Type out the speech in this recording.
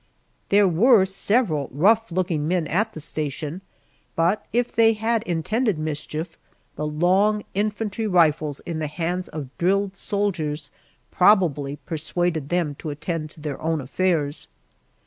There were several rough looking men at the station, but if they had intended mischief, the long infantry rifles in the hands of drilled soldiers probably persuaded them to attend to their own affairs.